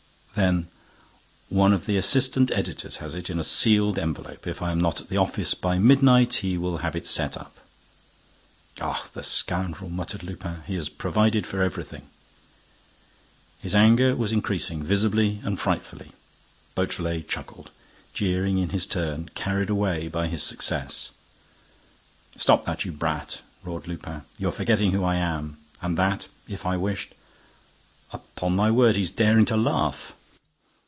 "Then—" "One of the assistant editors has it, in a sealed envelope. If I am not at the office by midnight, he will have set it up." "Oh, the scoundrel!" muttered Lupin. "He has provided for everything!" His anger was increasing, visibly and frightfully. Beautrelet chuckled, jeering in his turn, carried away by his success. "Stop that, you brat!" roared Lupin. "You're forgetting who I am—and that, if I wished—upon my word, he's daring to laugh!"